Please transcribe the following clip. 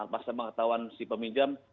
pas pengetahuan si peminjam